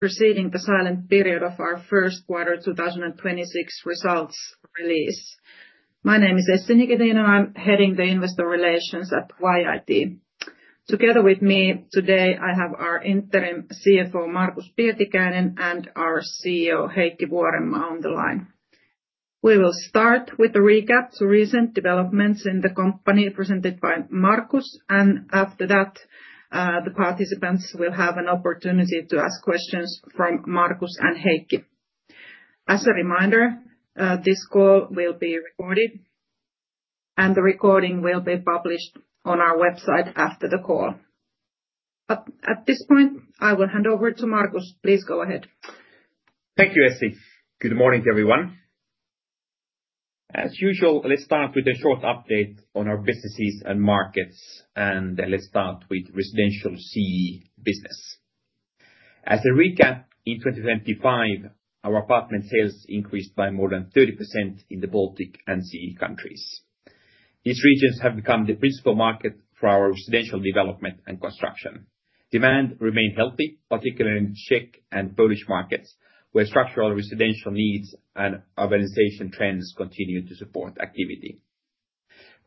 Preceding the silent period of our first quarter 2026 results release. My name is Essi Nikkinen. I am heading the investor relations at YIT. Together with me today, I have our interim CFO, Markus Pietikäinen, and our CEO, Heikki Vuorenmaa, on the line. We will start with a recap to recent developments in the company presented by Markus, and after that, the participants will have an opportunity to ask questions from Markus and Heikki. As a reminder, this call will be recorded, and the recording will be published on our website after the call. At this point, I will hand over to Markus. Please go ahead. Thank you, Essi. Good morning to everyone. As usual, let's start with a short update on our businesses and markets, and let's start with Residential CEE business. As a recap, in 2025, our apartment sales increased by more than 30% in the Baltic and CEE countries. These regions have become the principal market for our residential development and construction. Demand remained healthy, particularly in Czech and Polish markets, where structural residential needs and urbanization trends continue to support activity.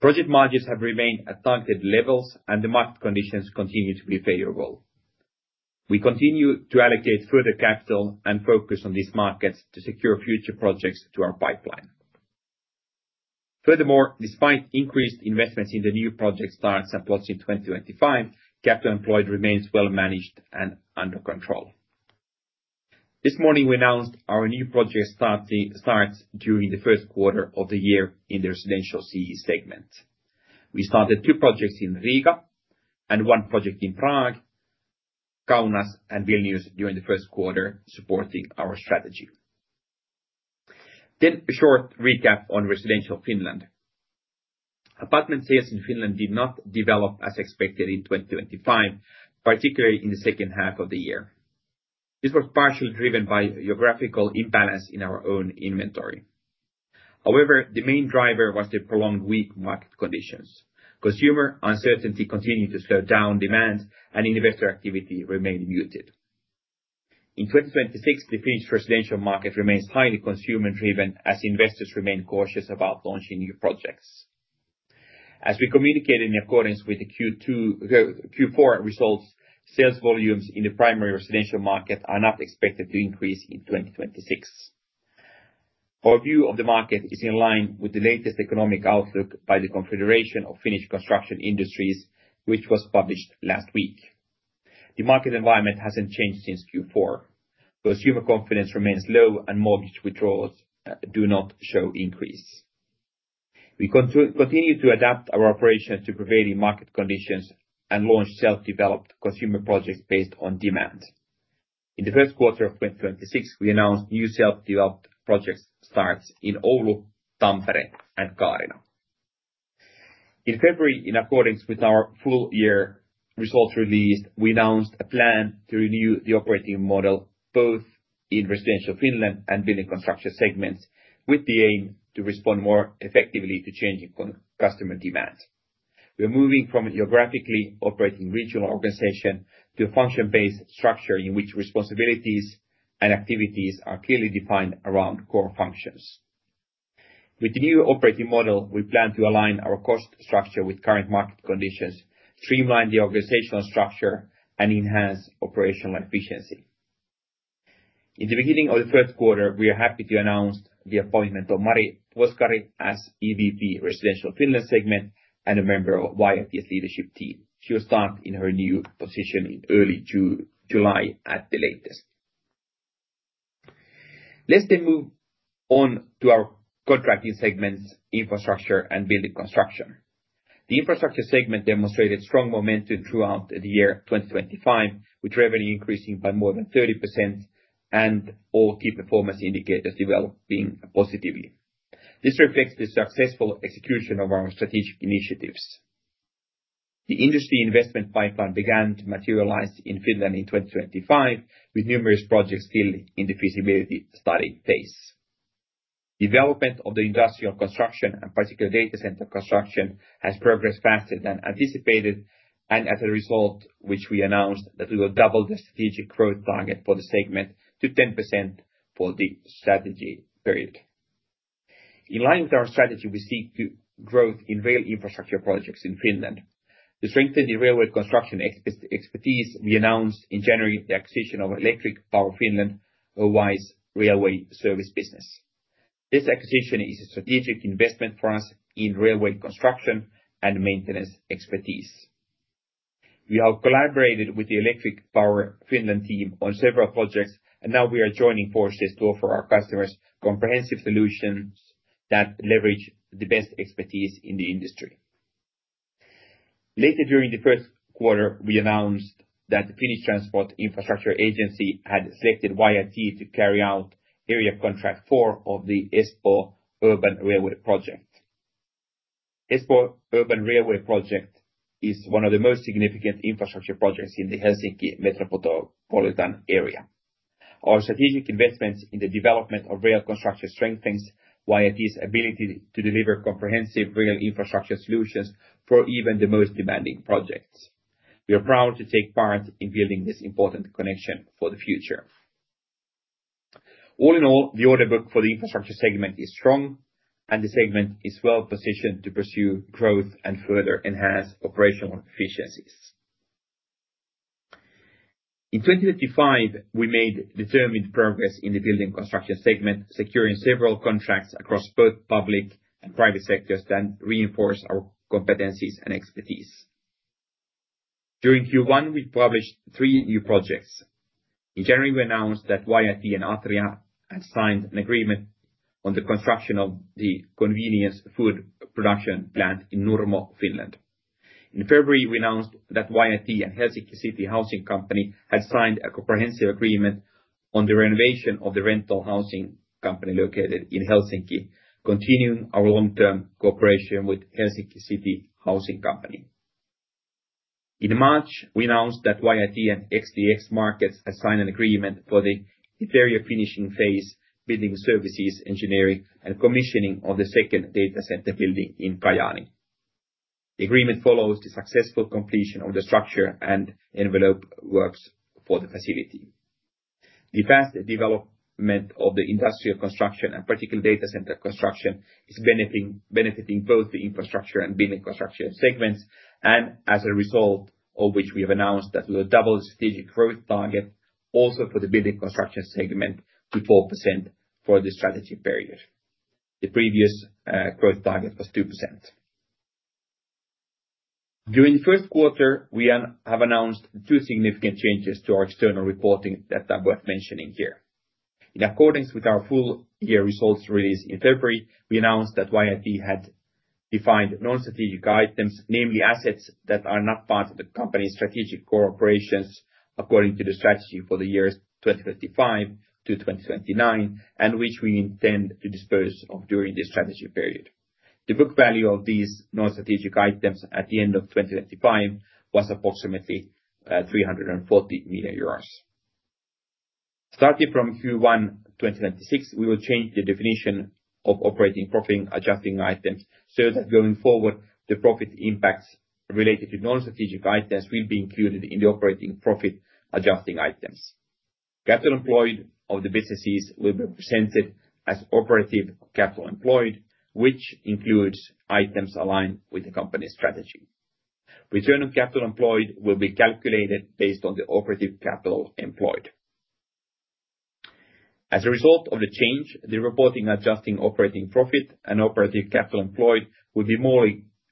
Project margins have remained at targeted levels and the market conditions continue to be favorable. We continue to allocate further capital and focus on these markets to secure future projects to our pipeline. Furthermore, despite increased investments in the new project starts and plots in 2025, capital employed remains well managed and under control. This morning, we announced our new project starts during the first quarter of the year in the Residential CEE segment. We started two projects in Riga and one project in Prague, Kaunas, and Vilnius during the first quarter, supporting our strategy. A short recap on Residential Finland. Apartment sales in Finland did not develop as expected in 2025, particularly in the second half of the year. This was partially driven by a geographical imbalance in our own inventory. However, the main driver was the prolonged weak market conditions. Consumer uncertainty continued to slow down demand and investor activity remained muted. In 2026, the Finnish residential market remains highly consumer-driven as investors remain cautious about launching new projects. As we communicate in accordance with the Q4 results, sales volumes in the primary residential market are not expected to increase in 2026. Our view of the market is in line with the latest economic outlook by the Confederation of Finnish Construction Industries, which was published last week. The market environment hasn't changed since Q4. Consumer confidence remains low and mortgage withdrawals do not show increase. We continue to adapt our operations to prevailing market conditions and launch self-developed consumer projects based on demand. In the first quarter of 2026, we announced new self-developed project starts in Oulu, Tampere, and Kaarina. In February, in accordance with our full year results release, we announced a plan to renew the operating model both in Residential Finland and Building Construction segments, with the aim to respond more effectively to changing customer demands. We are moving from a geographically operating regional organization to a function-based structure in which responsibilities and activities are clearly defined around core functions. With the new operating model, we plan to align our cost structure with current market conditions, streamline the organizational structure, and enhance operational efficiency. In the beginning of the first quarter, we are happy to announce the appointment of Mari Puoskari as EVP, Residential Finland segment, and a member of YIT's leadership team. She will start in her new position in early July at the latest. Let's then move on to our contracting segments, Infrastructure and Building Construction. The Infrastructure segment demonstrated strong momentum throughout the year 2025, with revenue increasing by more than 30% and all key performance indicators developing positively. This reflects the successful execution of our strategic initiatives. The industry investment pipeline began to materialize in Finland in 2025, with numerous projects still in the feasibility study phase. Development of the industrial construction and in particular data center construction has progressed faster than anticipated, and as a result, we announced that we will double the strategic growth target for the segment to 10% for the strategy period. In line with our strategy, we seek growth in rail infrastructure projects in Finland. To strengthen the railway construction expertise, we announced in January the acquisition of Electric Power Finland, its railway services business. This acquisition is a strategic investment for us in railway construction and maintenance expertise. We have collaborated with the Electric Power Finland team on several projects, and now we are joining forces to offer our customers comprehensive solutions that leverage the best expertise in the industry. Later during the first quarter, we announced that the Finnish Transport Infrastructure Agency had selected YIT to carry out area contract four of the Espoo Urban Railway project. Espoo Urban Railway project is one of the most significant Infrastructure projects in the Helsinki metropolitan area. Our strategic investments in the development of rail construction strengthens YIT's ability to deliver comprehensive rail Infrastructure solutions for even the most demanding projects. We are proud to take part in building this important connection for the future. All in all, the order book for the Infrastructure segment is strong, and the segment is well-positioned to pursue growth and further enhance operational efficiencies. In 2025, we made determined progress in the Building Construction segment, securing several contracts across both public and private sectors that reinforce our competencies and expertise. During Q1, we published three new projects. In January, we announced that YIT and Atria had signed an agreement on the construction of the convenience food production plant in Nurmo, Finland. In February, we announced that YIT and Helsinki City Housing Company had signed a comprehensive agreement on the renovation of the rental housing company located in Helsinki, continuing our long-term cooperation with Helsinki City Housing Company. In March, we announced that YIT and XTX Markets had signed an agreement for the interior finishing phase, building services engineering, and commissioning of the second data center building in Kajaani. The agreement follows the successful completion of the structure and envelope works for the facility. The fast development of the industrial construction and in particular data center construction is benefiting both the Infrastructure and Building Construction segments, and as a result, we have announced that we will double the strategic growth target also for the Building Construction segment to 4% for the strategy period. The previous growth target was 2%. During the first quarter, we have announced two significant changes to our external reporting that are worth mentioning here. In accordance with our full year results release in February, we announced that YIT had defined non-strategic items, namely assets that are not part of the company's strategic core operations according to the strategy for the years 2025 to 2029, and which we intend to dispose of during this strategy period. The book value of these non-strategic items at the end of 2025 was approximately 340 million euros. Starting from Q1 2026, we will change the definition of operating profit adjusting items, so that going forward, the profit impacts related to non-strategic items will be included in the operating profit adjusting items. Capital employed of the businesses will be presented as operative capital employed, which includes items aligned with the company's strategy. Return on capital employed will be calculated based on the operative capital employed. As a result of the change, the reporting adjusting operating profit and operative capital employed will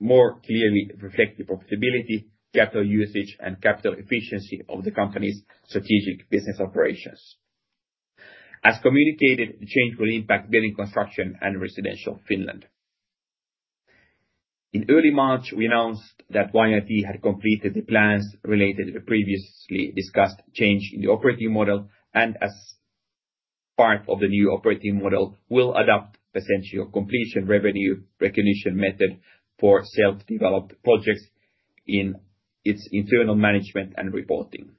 more clearly reflect the profitability, capital usage, and capital efficiency of the company's strategic business operations. As communicated, the change will impact Building Construction and Residential Finland. In early March, we announced that YIT had completed the plans related to the previously discussed change in the operating model, and as part of the new operating model, will adopt percentage of completion revenue recognition method for self-developed projects in its internal management and reporting.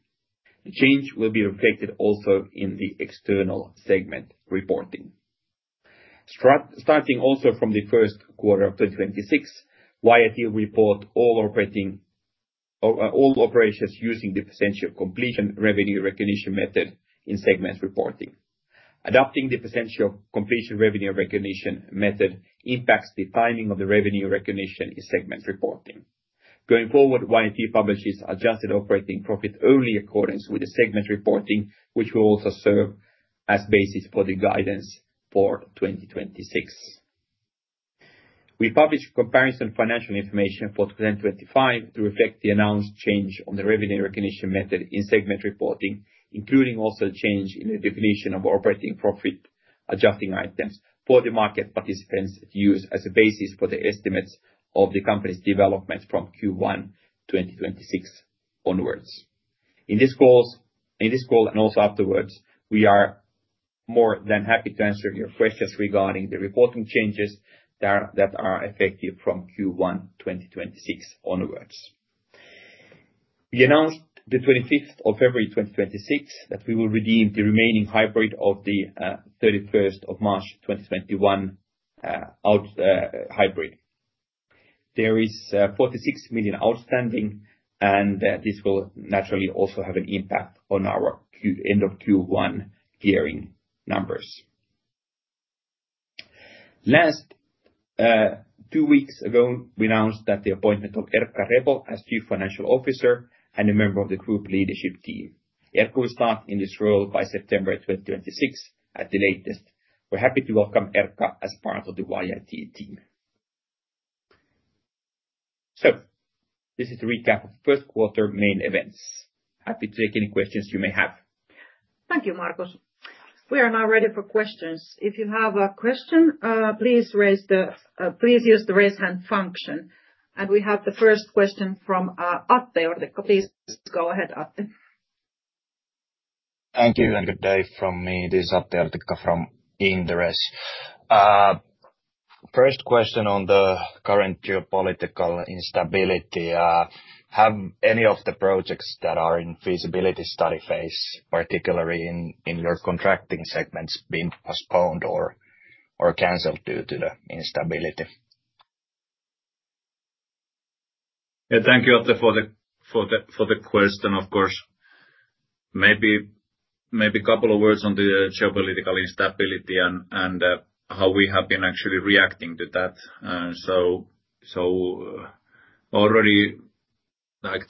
The change will be reflected also in the external segment reporting. Starting also from the first quarter of 2026, YIT will report all operations using the percentage of completion revenue recognition method in segment reporting. Adopting the percentage of completion revenue recognition method impacts the timing of the revenue recognition in segment reporting. Going forward, YIT publishes adjusted operating profit only in accordance with the segment reporting, which will also serve as basis for the guidance for 2026. We published comparison financial information for 2025 to reflect the announced change on the revenue recognition method in segment reporting, including also change in the definition of operating profit adjusting items for the market participants to use as a basis for the estimates of the company's development from Q1 2026 onwards. In this call and also afterwards, we are more than happy to answer your questions regarding the reporting changes that are effective from Q1 2026 onwards. We announced the 25th of February 2026 that we will redeem the remaining hybrid of the 31st of March 2021 hybrid. There is 46 million outstanding, and this will naturally also have an impact on our end of Q1 gearing numbers. Last, two weeks ago, we announced that the appointment of Erkka Repo as Chief Financial Officer and a member of the group leadership team. Erkka will start in this role by September 2026 at the latest. We are happy to welcome Erkka as part of the YIT team. This is a recap of first quarter main events. Happy to take any questions you may have. Thank you, Markus. We are now ready for questions. If you have a question, please use the raise hand function. We have the first question from Atte Jortikka. Please go ahead, Atte. Thank you. Good day from me. This is Atte Jortikka from Inderes. First question on the current geopolitical instability. Have any of the projects that are in feasibility study phase, particularly in your contracting segments, been postponed or canceled due to the instability? Thank you, Atte, for the question. Of course, maybe a couple of words on the geopolitical instability and how we have been actually reacting to that. Already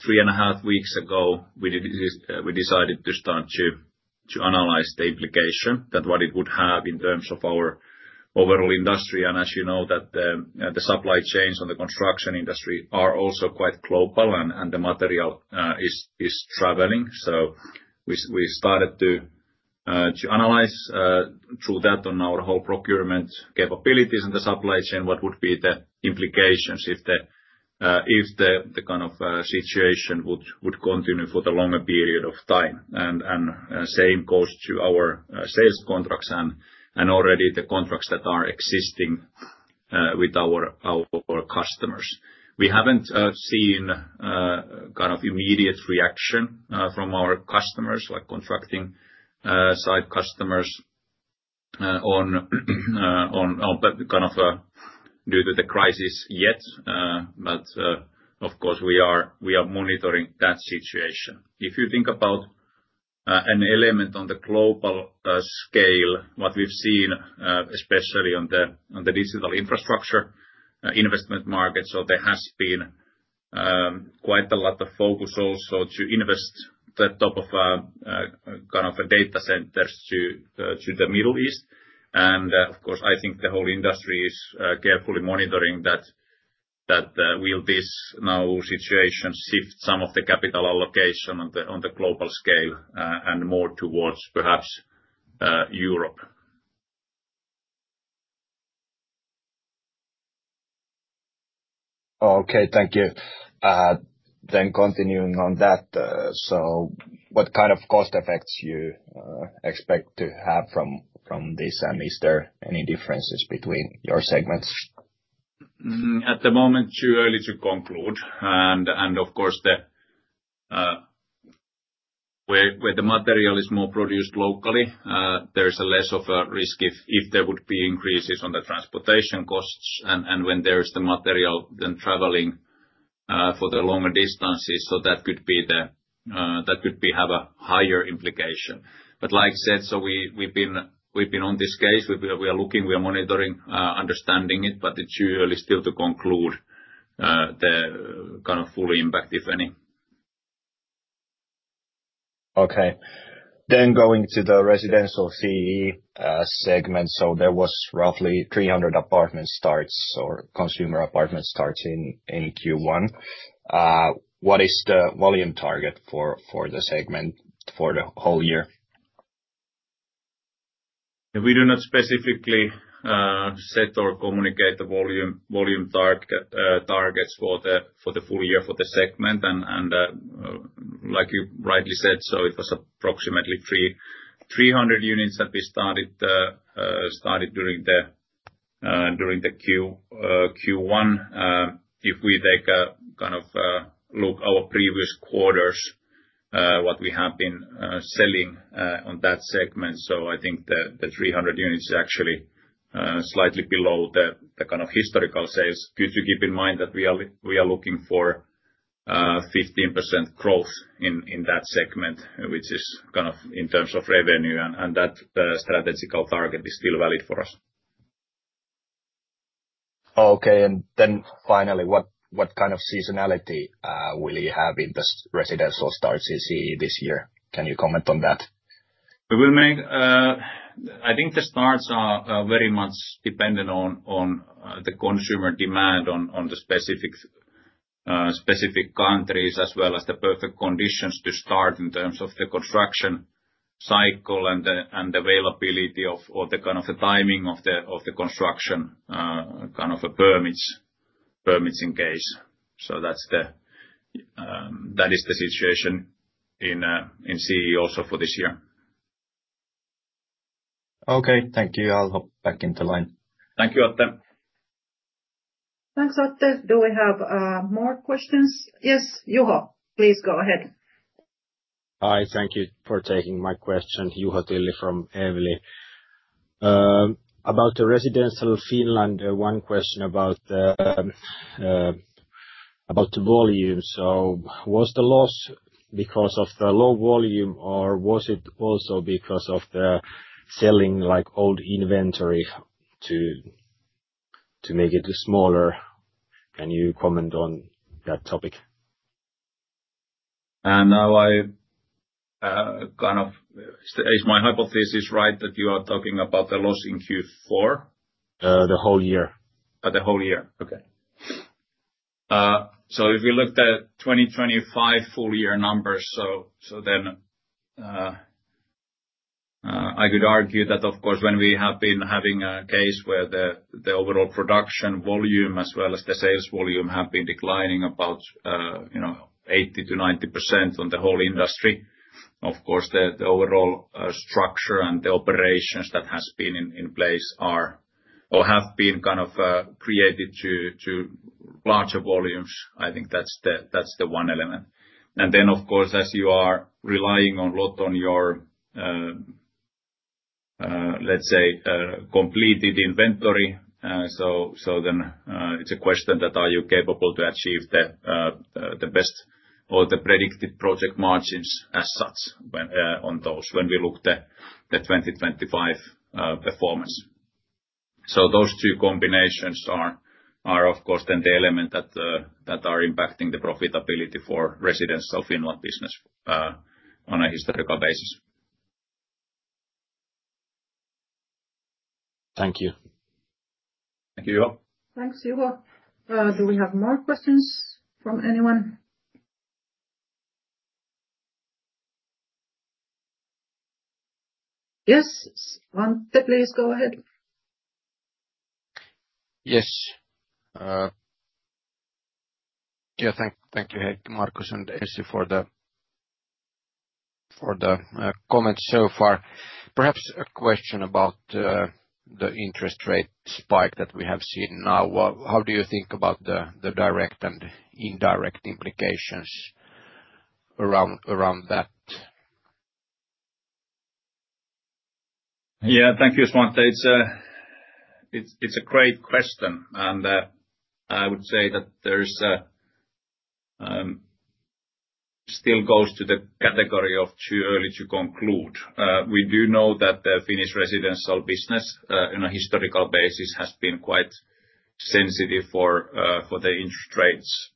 three and a half weeks ago, we decided to start to analyze the implication that what it would have in terms of our overall industry. As you know, the supply chains on the construction industry are also quite global and the material is traveling. We started to analyze through that on our whole procurement capabilities and the supply chain, what would be the implications if the kind of situation would continue for the longer period of time. Same goes to our sales contracts and already the contracts that are existing with our customers. We haven't seen immediate reaction from our customers, like contracting site customers on due to the crisis yet. Of course we are monitoring that situation. If you think about an element on the global scale, what we've seen, especially on the digital Infrastructure investment market. There has been quite a lot of focus also to invest that type of data centers to the Middle East. Of course, I think the whole industry is carefully monitoring that. Will this situation now shift some of the capital allocation on the global scale and more towards perhaps Europe. Okay. Thank you. Continuing on that, what kind of cost effects you expect to have from this, and is there any differences between your segments? At the moment, too early to conclude. Of course, where the material is more produced locally, there's less of a risk if there would be increases on the transportation costs and when there's the material then traveling for the longer distances, that could have a higher implication. Like I said, we've been on this case. We are looking, we are monitoring, understanding it, but it's too early still to conclude the kind of full impact, if any. Okay. Going to the Residential CEE segment. There was roughly 300 apartment starts or consumer apartment starts in Q1. What is the volume target for the segment for the whole year? We do not specifically set or communicate the volume targets for the full year for the segment. Like you rightly said, it was approximately 300 units that we started during the Q1. If we take a look our previous quarters, what we have been selling on that segment. I think the 300 units is actually slightly below the kind of historical sales. Good to keep in mind that we are looking for 15% growth in that segment, which is in terms of revenue, and that strategical target is still valid for us. Okay. Then finally, what kind of seasonality will you have in this residential starts in CEE this year? Can you comment on that? I think the starts are very much dependent on the consumer demand on the specific countries as well as the perfect conditions to start in terms of the construction cycle and the availability of the kind of the timing of the construction permits in case. That is the situation in CEE also for this year. Okay. Thank you. I'll hop back into line. Thank you, Atte. Thanks, Atte. Do we have more questions? Yes, Juho, please go ahead. Hi. Thank you for taking my question. Juho Tilli from Evli. About the Residential Finland, one question about the volume. Was the loss because of the low volume, or was it also because of the selling old inventory to make it smaller? Can you comment on that topic? Is my hypothesis right that you are talking about the loss in Q4? The whole year. The whole year. Okay. If you looked at 2025 full year numbers, I could argue that, of course, when we have been having a case where the overall production volume as well as the sales volume have been declining about 80% to 90% on the whole industry, of course, the overall structure and the operations that has been in place are or have been kind of created to larger volumes. I think that's the one element. Of course, as you are relying a lot on your Let's say, completed inventory. It's a question that are you capable to achieve the best or the predicted project margins as such on those when we look the 2025 performance. Those two combinations are, of course, then the element that are impacting the profitability for Residential Finland business on a historical basis. Thank you. Thank you. Thanks, Juho. Do we have more questions from anyone? Yes, Svante, please go ahead. Yes. Thank you, Heikki, Markus, and Essi for the comments so far. Perhaps a question about the interest rate spike that we have seen now. How do you think about the direct and indirect implications around that? Thank you, Svante. It's a great question, and I would say that still goes to the category of too early to conclude. We do know that the Finnish residential business, on a historical basis, has been quite sensitive for the interest rates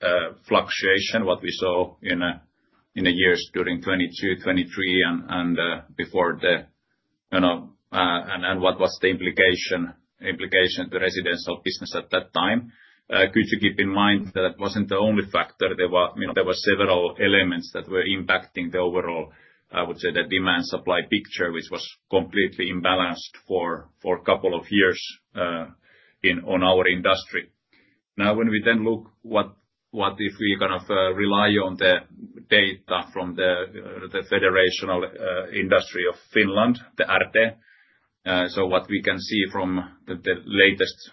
fluctuation, what we saw in the years during 2022, 2023, and what was the implication to residential business at that time. Good to keep in mind, that wasn't the only factor. There were several elements that were impacting the overall, I would say, the demand supply picture, which was completely imbalanced for a couple of years on our industry. Now, when we then look what if we kind of rely on the data from the Confederation of Finnish Construction Industries RT. What we can see from the latest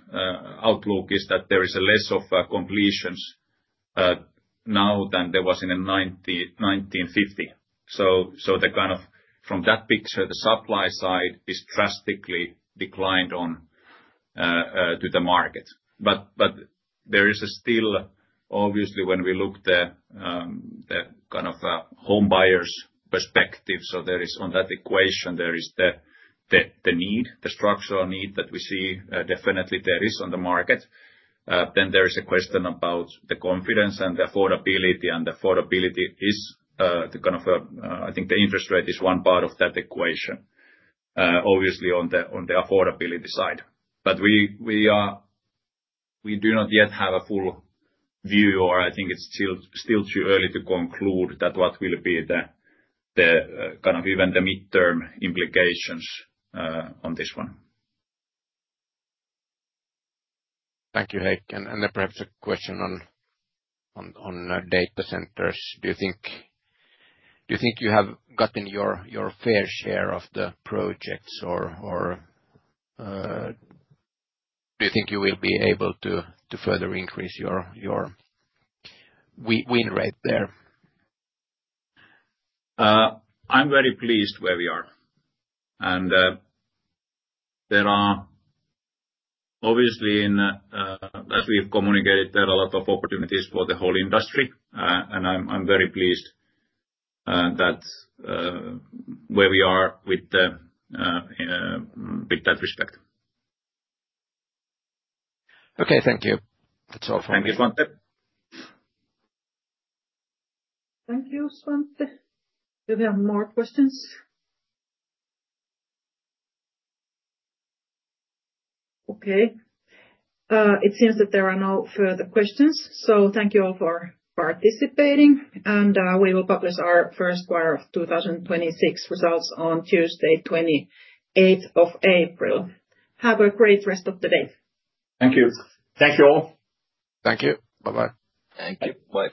outlook is that there is a less of a completions now than there was in 1950. From that picture, the supply side is drastically declined on to the market. There is still, obviously, when we look the home buyer's perspective, there is on that equation, there is the structural need that we see definitely there is on the market. There is a question about the confidence and the affordability, and the affordability is I think the interest rate is one part of that equation, obviously on the affordability side. We do not yet have a full view or I think it's still too early to conclude that what will be even the midterm implications on this one. Thank you, Heikki. Then perhaps a question on data centers. Do you think you have gotten your fair share of the projects or do you think you will be able to further increase your win rate there? I'm very pleased where we are. There are, obviously as we have communicated, there are a lot of opportunities for the whole industry. I'm very pleased where we are with that respect. Okay. Thank you. That's all for me. Thank you, Svante. Thank you, Svante. Do we have more questions? Okay. It seems that there are no further questions. Thank you all for participating. We will publish our first quarter of 2026 results on Tuesday, 28th of April. Have a great rest of the day. Thank you. Thank you all. Thank you. Bye-bye. Thank you. Bye.